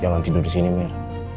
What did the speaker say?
jangan tidur disini mir